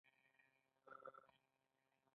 د بې دانه انارو ډولونه هم شته.